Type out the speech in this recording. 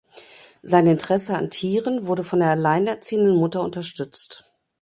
Sein Interesse an Tieren wurde von der alleinerziehenden Mutter unterstützt.